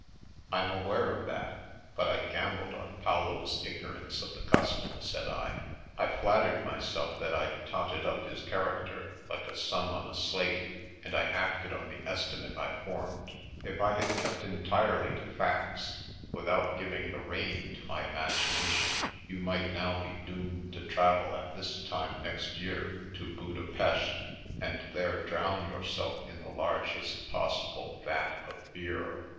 " I'm aware of that, but I gambled on Paolo^s ignorance of the custom," said I. " I flattered my self that I'd totted up his character like a sum on a slate, and I acted on the estimate I formed. If I had kept entirely to facts, without giving the rein to my imagination, you might now be doomed to travel at this time next year to Buda Pesth, and there drown yourself in the largest possible vat of beer.